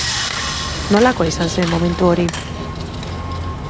Nolakoa izan zen momentu hori?